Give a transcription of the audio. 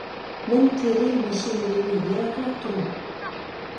مەن قېرى، ماشىنا يېڭى، يىراقراق تۇرۇڭ.